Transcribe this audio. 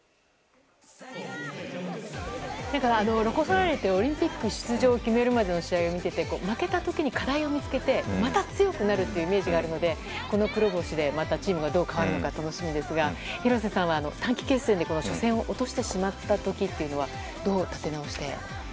ロコ・ソラーレってオリンピック出場を決めるまでの試合を見ていて負けた時に課題を見つけてまた強くなるというイメージがあるのでこの黒星で、またチームがどう変わるのか楽しみですが廣瀬さんは短期決戦で初戦を落としてしまった時というのはどう立て直して。